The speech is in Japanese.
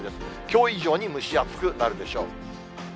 きょう以上に蒸し暑くなるでしょう。